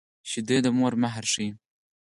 شیدې د مور مهر ښيي